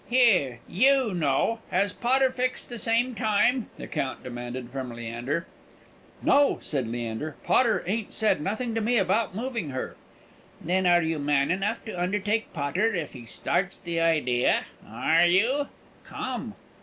"Here, you know. Has Potter fixed the same time?" the Count demanded from Leander. "No," said Leander; "Potter ain't said nothing to me about moving her." "Then are you man enough to undertake Potter, if he starts the idea? Are you? Come!"